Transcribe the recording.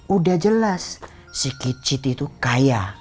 udah jelas si kicit itu kaya